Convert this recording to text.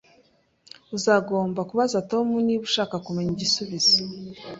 Uzagomba kubaza Tom niba ushaka kumenya igisubizo